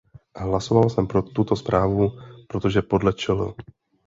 Hlasoval jsem pro tuto zprávu, protože podle čl.